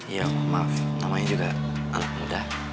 iya oma maaf namanya juga anak muda